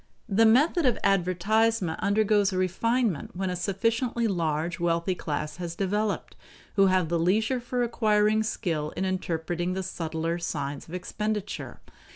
The method of advertisement undergoes a refinement when a sufficiently large wealthy class has developed, who have the leisure for acquiring skill in interpreting the subtler signs of expenditure.